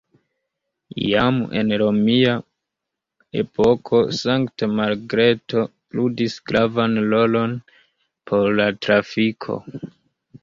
Jam en romia epoko Sankt-Margreto ludis gravan rolon por la trafiko.